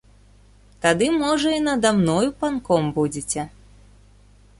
Тады, можа, і нада мною панком будзеце.